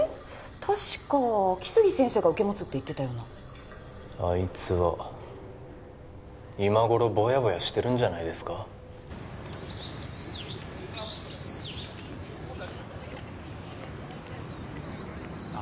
確か来生先生が受け持つって言ってたようなあいつは今頃ぼやぼやしてるんじゃないですかあっ